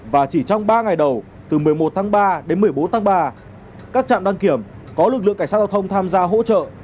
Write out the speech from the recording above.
và chỉ trong ba ngày đầu từ một mươi một tháng ba đến một mươi bốn tháng ba các trạm đăng kiểm có lực lượng cảnh sát giao thông tham gia hỗ trợ